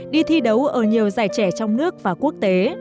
đi thi đấu ở nhiều giải trẻ trong nước và quốc tế